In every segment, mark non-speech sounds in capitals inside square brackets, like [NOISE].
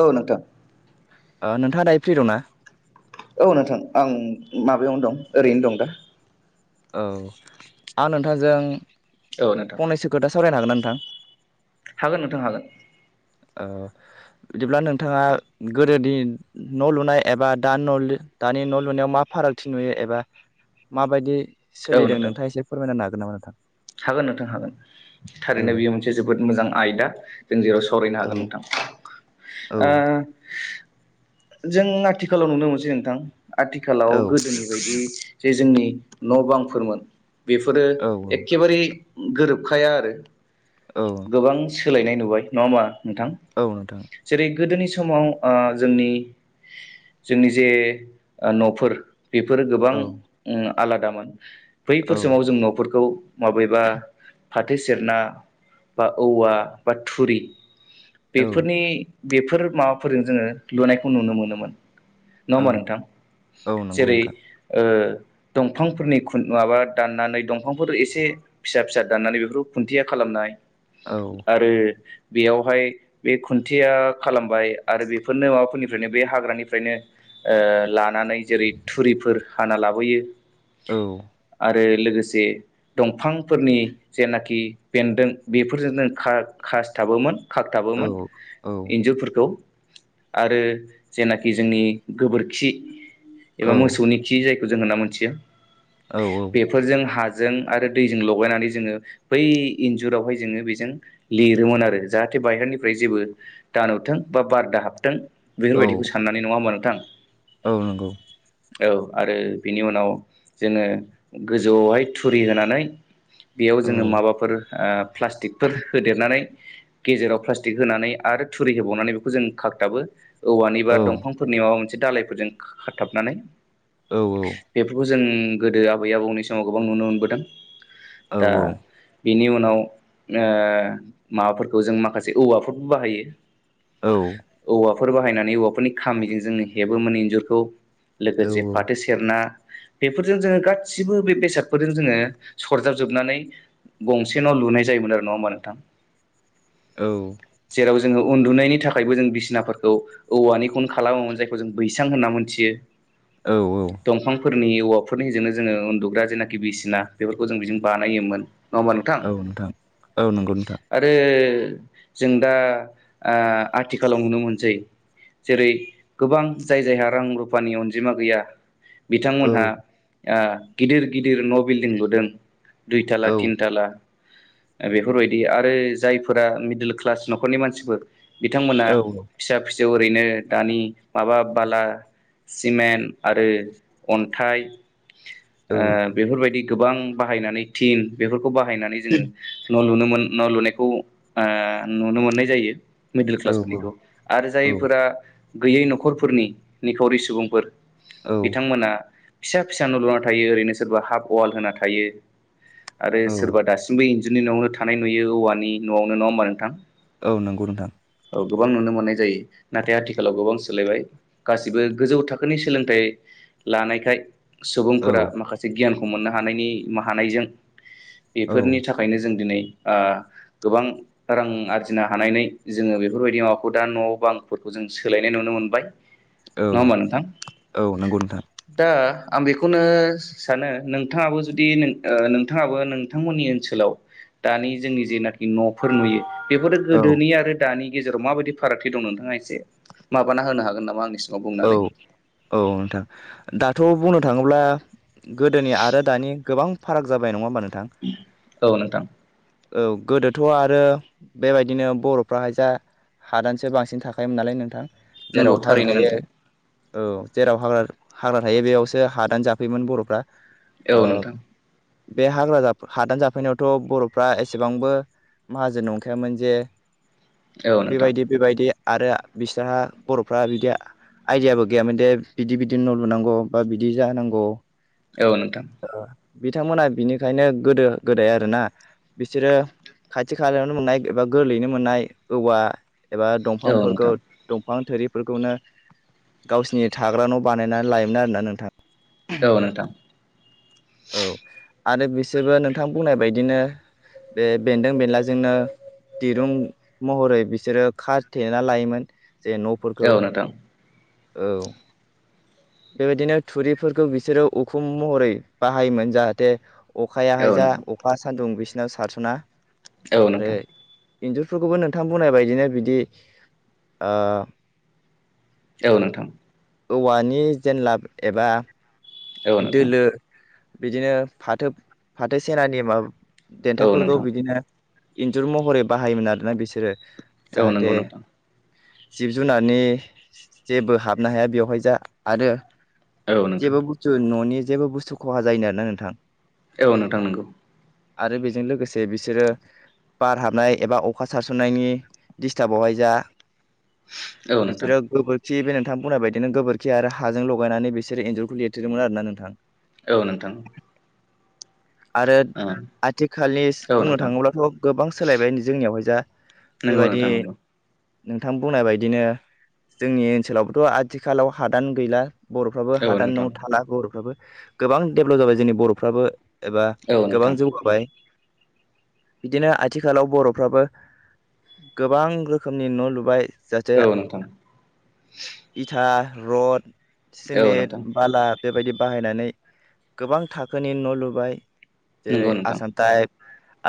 औ नोंथां। ओ नोंथांङा दायो फ्रि दंना? औ नोंथां आं माबायावनो दं ओरैनो दं दा। औ आं नोंथांजों औ नोंथां फंनैसो खोथा सावरायनो हागोन ना नोंथां? हागोन नोंथां हागोन। ओ बिदिब्ला नोंथांङा गोदोनि न' लुनाय एबा दा न' लु दानि न' लुनायाव मा फारागथि नुयो एबा माबायदि औ सोलिदों नोंथां नोंथांङा एसे फोरमायनो नागोन नामा नोंथां? हागोन नोंथां हागोन, औ थारैनो बेयो मोनसे जोबोद मोजां आयदा। जों जेराव सावरायनो औ हागोन नोंथां औ ओ जों आथिखालाव नुनो मोनसै नोंथां आथिखालाव औ गोदोनि बायदि जे जोंनि न' बांफोरमोन बेफोरो औ एक गोरोबखाया आरो औ गोबां सोलायनाय नुबाय नंङा होमबा? नोंथां औ नोंथां जेरै गोदोनि समाव ओ जोंनि जोंनि जे न'फोर बेफोरो गोबां औ उन आलादामोन औ बैफोर समाव जों न'फोरखौ माबेबा फाथो जेर ना बा औवा बा थुरि औ बेफोरनि बेफोर माबाफोरजों जोंङो लुनायखौ नुनो मोनोमोन। नंङा औ होमा नोंथां? औ नंगौ जेरै नोंथां ओ दंफांफोरनि खुन माबा दाननानै दंफांफोर एसे से फिसा फिसा दाननानै बेफोरखौ खुन्थिया खालामनाय औ आरो बेयावहाय बे खुन्थिया खालामबाय आरो बेफोरनो माबाफोरनिफ्रायनो बे हाग्रानिफ्रायनो ओ लानानै जेरै थुरिफोर हाना लाबोयो । औ आरो लोगोसे दंफांफोरनि जेनाखि बेन्दों बेफोरजोंनो खा-खासथाबोमोन औ खाखथाबोमोन औ इन्जुरफोरखौ। आरो जेनाखि जोंनि गोबोरखि एबा औ मोसौनि खि जाय जों होनना मिथिया औ बेफोरजों हाजों आरो दैजों लगायनानै जोंङो बै इन्जुरावहाय जोंङो बेजों लिरोमोन आरो जाहाथे बायहा निफ्राय जेबो दानुथों बा बार दा हाबथों औ बेफोरबायदिखौ साननानै नंङा होमबा नोंथां? औ नंगौ। औ आरो बिनि उनाव जोंङो गोजौ आवहाय थुरि होनानै बेयाव औ जोंङो माबाफोर ओ प्लास्टिकफोर होदेरनानै गेजेराव प्लास्टिक होनानै आरो थुरि होबावनानै बेखौ जों खाखथाबो। औवानि बा औ दंफांफोरनि माबा मोनसे दालायफोरजों खा-खाथाबनानै औ औ जों गोदो आबै आबौनि समाव गोबां नुनो मोनबोदों। औ दा औ बेनि उनाव ओ माबाफोरखौ जों माखासे औवाफोरबो बाहायो। औ औवाफोर बाहायनानै औवाफोरनि खामिजों जोंङो हेबो मोन इन्जुरखौ। औ लोगोसे फाथो सेरना बेफोरजों जोंङो गासिबो बे बेसादफोर जों जोंङो सरजाब जोबनानै गंसे न' लुनाय जायोमोन आरो ना होमबा नोंथां? औ जेराव जोङो उन्दुनायनि थाखायबो जों बिसिनाफोरखौ औवानिखौनो खालामोमोन जायखौ जों बैसां होनना मोनथियो। औ औ फोरनि औवाफोरनिजोंनो जोंङो उन्दुग्रा जेनाखि बिसिना बेफोरखौ जों बेजों बानायोमोन। नंङा होनबा नोंथां? औ नोंथां औ नंगौ नोंथां आरो जों दा ओ आथिखालाव नुनो मोनसै जेरै गोबां जाय जायहा रां रुफानि अनजिमा गैया औ बिथांमोनहा ओ गिदिर गिदिर न' बिल्डिं लुदों दुइथाला, औ तिनथाला दा बेफोरबायदि आरो जायफोरा मिडल क्लास न'खरनि मानसिफोर बिथांमोना औ फिसा फिसौ ओरैनो दानि माबा बाला सिमेन्ट आरो अन्थाइ औ ओ बेफोरबायदि गोबां बाहायनानै थिन बेफोरखौ बाहायनानै जोङो न' लुनो मोन न'लुनायखौ ओ नुनो मोननाय जायो। मिडल औ क्लास फोरनिखौ आरो जायफोरा गैयै न'खरफोरनि निखावरि सुबुंफोर औ बिथांमोना फिसा फिसा न' लुना थायो ओरैनो सोरबा हाफ अवाल होना थायो। आरो औ सोरबा दासिमबो इन्जुरनि न'आवनो थानाय नुयो औवानि न'आवनो नङा होमबा नोंथां। औ नंगौ नोंथां औ गोबां नुनो मोननाय जायो नाथाय आथिखालाव गोबां सोलायबाय गासिबो गोजौ थाखोनि सोलोंथाइ लानायखाय औ फोरा माखासे गियानखौ मोननो हानायनि हानायजों औ बेफोरनि थाखायनो जों दिनै ओ गोबां रां आरजिनो हानानै जोङो बेफोरबायदि माबाखौ दा न'आव बां फोरखौ जों सोलायनाय नुनो मोनबाय औ नङा होमबा नोंथां औ नंगौ नोंथां दा बेखुननो सानो नोंथाङाबो जुदि नों ओ नोंथाङाबो नोंथांमोननि ओनसोलाव दानि जोंनि जेनाखि न'फोर नुयो बेफोरो औ गोदोनि आरो दानि गेजेराव माबायदि फारागथि दं नोंथाङा एसे माबाना होनो हागोन नामा आंनिसिम औ-औ नोंथां दाथ' बुंनो थाङोब्ला गोदोनि आरो दानि गोबां फाराग जाबाय नङा होमबा नोंथां औ नोंथां औ गोदोथ' आरो बेबायदिनो बर'फ्राहाय जा हादानसो बांसिन थाखायोमोन नालाय नोंथां नंगौ जेराव हाग्रा थारैनो थायो नोंथां औ जेराव हाग्रा हाग्रा थायो बेयावसो हादान जाफैयोमोन बर'फ्रा। औ ओ नोंथां। बे हाग्रा जाफै हादान जाफैनायावथ' बर' फ्रा एसेबांबो माहाजोन नंखायामोन जे औ नोंथां बेबायदि बेबायदि आरो बिसोरहा बर'फ्रा बिदि आयदियाबो गैयामोन दे बिदि बिदि न' लुनांगौ बा बिदि जानांगौ। औ नोंथां। बिथांमोना बिनिखायनो गोदो गोदाय आरोना बिसोरो खाथि खालायावनो मोननाय एबा गोरलैयैनो मोननाय औवा एबा औ दंफांफोरखौ नोंथां दंफां थोरि बेफोरफोरखौनो गावसिनि थाग्रा न' बानायनानै लायोमोन आरोना नोंथां? औ नोंथां औ आरो बिसोरबो नोंथां बुंनाय बायदिनो बे बेन्दों बेनलाजोंनो दिरुं महरै बिसोरो खाथेना लायोमोन जे न'फोरखौ औ नोंथां औ बेबायदिनो थुरिफोरखौ बिसोरो उखुम महरै बाहायोमोन जाहाथे अखायाहाय औ जा नोंथां अखा सान्दुं बिसोरनाव सारस'ना। औ आरो नोंथां। इन्जुरफोरखौबो नोंथां बुंनायबायदिनो बिदि ओ औ नोंथां। औवानि जेनलाब एबा औ नोंथां दोलो बिदिनो फाथो फाथो सेनानि माबा औ देन्थाफोरखौ नोंथां बिदिनो इन्जुर महरै बाहायोमोन आरोना बिसोरो औ जाहाथे नोंगौ नोंथां। जिब जुनारनि जेबो हाबनो हाया बेवहाय जा आरो औ नोंथां। जेबो बुस्थु न'नि जेबो बुस्थु खहा जायिनि आरोना नोंथां? औ नोंथां नंगौ। आरो बेजों लोगोसे बिसोरो बार हाबनाय एबा अखा सारसननायनि डिस्टाबावहाय जा औ नोंथां बिसोरो गोबोरखि बे नोंथां बुंनाय बायदिनो गोबोरखि आरो हाजों लगायनानै बिसोरो इन्जुरखौ लि रोमोन आरोना नोंथां? औ नोंथां। आरो आथिखालि औ बुंनो नोंथां थाङोब्लाथ' गोबां सोलायबाय जोंनियावहाय जा नोंगौ बेबायदि नोंथां नोंगौ। नोंथां बुंनाय बायदिनो जोंनि ओनसोलावबोथ' आथिखालाव हादान गैला। बर'फ्राबो औ हादान नोंथां न'आव थाला बर'फ्राबो गोबां डेभलप जाबाय जोंनि बर'फ्राबो एबा औ गोबां नोंथां जौगाबाय। बिदिनो आथिखालाव बर'फ्राबो गोबां रोखोमनि न' लुबाय। जाहाथे औ नोंथां इथा, रड, औ सिमेन्ट नोंथां बाला बेबायदि बाहायनानै गोबां थाखोनि न' लुबाय। जेरै नंगौ नोंथां आसाम टाइप,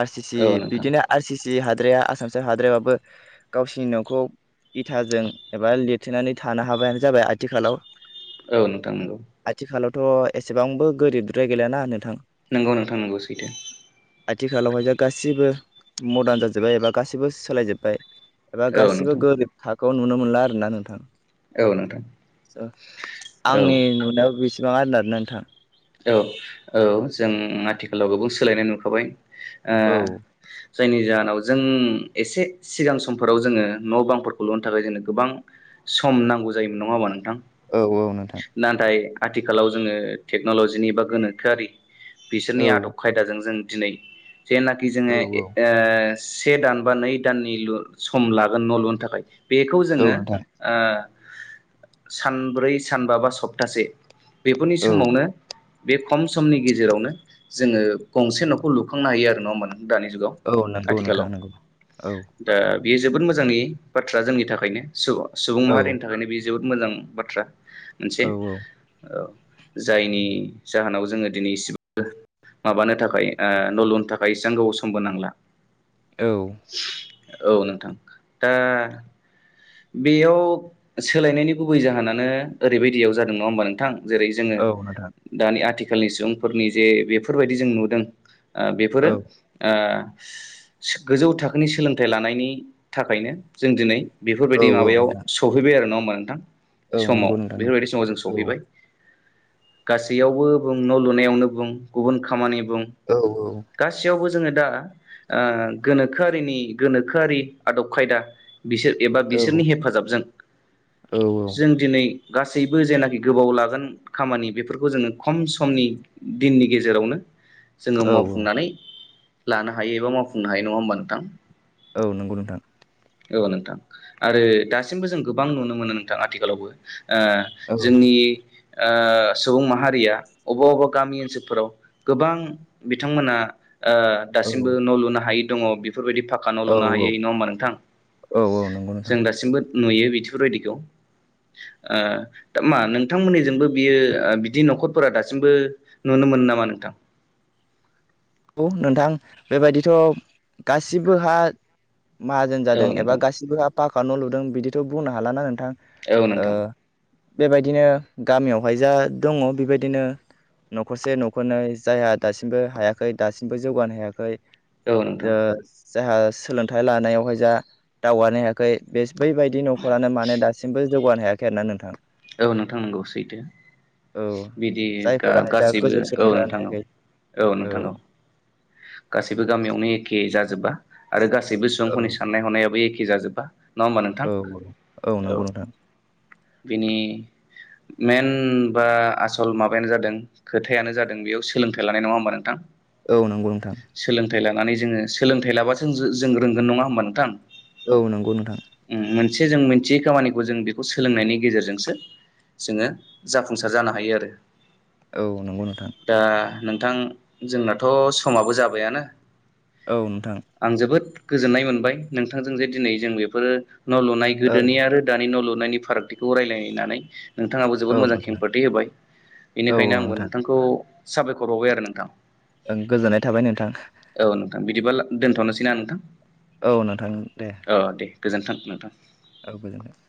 आर सि सि औ नोंथां बिदिनो आर सि सि हाद्राया आसामसो हाद्रायाबाबो गावसिनि न'खौ इथाजों एबा लिरथोननानै थानो हाबायानो जाबाय आथिखालाव। औ नोंथां नोंगौ। थ' एसेबांबो गोरिबद्राय गैलियाना नोंथां? नोंगौ नोंथां नोंगौ सैथो। आथिखालावहाय जा गासैबो मदारन जाजोब्बाय एबा गासैबो सोलायजोब्बाय। एबा औ गासिबो नोंथां गोरिब थाखोआव नुनो मोनला आरोना नोंथां। औ नोंथां औ आंनि नुनायाव बेसेबां आरोना नोंथां। औ-औ जों आथिखालाव गोबां सोलायनाय नुखाबाय ओ। औ जायनि जाहोनाव जों एसे सिगां समफोराव जोङो न' बांफोरखौ लुनो थाखाय जोङो गोबां। सम नांगौ जायोमोन नङाओमबा नों नोंथां औ औ नोंथां नाथाय आथिखालाव जोङो टेक्न'लजिनि बा गोनोखोआरि। औ बिसोरनि आदब खायदाजों जों दिनै जेनाखि औ जोंङो ओ ओ। से दान बा नै दाननि लु सम लागोन न' लुनो थाखाय बेखौ औ जोङो नोंथां ओ। सानब्रै सानबा बा सप्तासे बेफोरनि औ समावनो। बे खम समनि गेजेरावनो जोंङो गंसे न'खौ लुखांनो हायो आरो नङा नों--। दानि जुगाव औ नंगौ नोंथां आथिखालाव नंगौ औ दा। बेयो जोबोद मोजांनि बाथ्रा जोंनि थाखायनो सुबुं सुबुं औ माहारिनि थाखायनो बेयो जोबोद मोजां बाथ्रा। मोनसे औ ओ‌। जायनि जाहोनाव जोङो दिनै इसेबो। माबानो थाखाय ओ न'लुनो थाखाय इसां गोबाव समबो नांला। औ औ नोंथां दा। बेयाव सोलायनायनि गुबै जाहोनानो ओरैबायदियाव जादों नङा ओमबा नोंथां। जेरै जोङो औ नोंथां दानि आथिखालनि सुबुंफोरनि जे बेफोरबायदि जों नुदों। ओ बेफोरो औ ओ गोजौ थाखोनि सोलोंथाइ लानायनि थाखायनो जों दिनै। औ बेफोरबायदि माबायाव नोंथां सौफैबाय आरो नङा होमबा नोंथां। औ समाव नंगौ नोंथां नंगौ बेफोरबायदि समाव जों औ सहैबाय। गासैयावबो बुं न' लुनायावनो बुं गुबुन खामानि बुं औ गासैयावबो। जोङो दा ओ गोनोखोआरिनि गोनोखोआरि आदब खायदा बिसोर। एबा औ बिसोरनि हेफाजाबजों जों दिनै गासैबो जेनाखि गोबाव लागोन खामानि बेफोरखौ जोङो खम समनि दिननि गेजेरावनो जोंङो औ औ मावफुंनानै लानो हायो एबा मावफुंनो हायो नङा ओमबा नोंथां? औ नंगौ नोंथां। औ नोंथां आरो दासिमबो जों गोबां नुनो मोनो नोंथां आथिखालावबो। ओ औ जोंनि ओ सुबुं माहारिया अबा अबेबा गामि ओनसोलफोराव गोबां बिथांमोना ओ औ दासिमबो न' लुनो हायि दङ बे फोरबायदि पाखखा न' औ लुनो औ हायै नङा होमबा नोंथां औ नंगौ नोंथां जों दासिमबो नुयो बिथोरबायदिखौ। ओ दा मा नोंथांमोननिजोंबो बियो ओ बिदि न'खरफोरा दासिमबो नुनो मोनो नामा नोंथां? औ नोंथां बेबायदिथ' गासिबोहा माहाजोन औ जादों एबा नोंथां गासिबो पाखखा न' लुदों बिदिथ' बुंनो हाला ना नों थां औ ओ नोंथां बेबायदिनो गामियावहाय जा दङ बेबायदिनो न'खरसे न'खरनै जायहा दासिमबो हाया खै दासिमबो जौगानो हायाखै औ नोंथां ओ जायहा सोलोंथाइ लानायावहाय जा दावगानो हायाखै बेस बैबायदि न'खरानो माने दासिमबो जौगानो हायाखै आरोना नोंथां। औ नोंथां नंगौ सैथो। औ बिदि जायफोराहाय जा गा-गासैबो गोजौ औ सोलोंथाइ लानो नोंथां औ हायाखै औ औ। गासैबो गामियावनो एखे जाजोबबा आरो गासैबो औ सुबुंफोरनि साननाय हनायाबो एखे जाजोबबा नङा होमबा नोंथां औ औ बिनि मेन बा आसल माबायानो जादों खोथायानो जादों बेयाव सोलोंथाइ लानाय नङा होमबा नोंथां? औ नंगौ नोंथां। सोलोंथाइ लानानै जोङो सोलोंथाइ लाबासो जों रोंगोन नङा होमबा नोंथां‌? औ नंगौ नोंथां। [UNINTELLIGIBLE] जों मिथियै खामानिखौ जों बेखौ सोलोंनायनि गेजेरजोंसो जोङो जाफुंसार जानो हायो आरो। औ नंगौ नोंथां। दा नोंथां जोंनाथ' समाबो जाबायानो औ नोंथां आं जोबोद गोजोन्नाय मोनबाय नोंथांजों जे दिनै जों बेफोरो न' लुनाय औ गोदोनि आरो दानि न' लु नायनि फारागथिखौ रायलायनानै। नोंथाङाबो जोबोद औ मोजां नोंथां खेंफोरथि होबाय औ बेनिखायनो औ आंबो नोंथां नोंथांखौ साबायखर बावबाय आरो नोंथां। ओं गोजोननाय थाबाय नोंथां। दोनथ'नोसै ना नोंथां? औ नोंथां दे। औ दे गोजोन्थों नोंथां। औ गोजोन्थों।